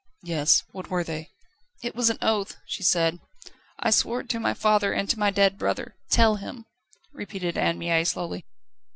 "Yes? What were they?" "'It was an oath,' she said. 'I swore it to my father and to my dead brother. Tell him,'" repeated Anne Mie slowly.